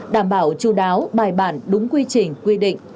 đảm bảo chú đáo bài bản đúng quy trình quy định